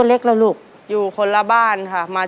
โลกเรียนใจในหัด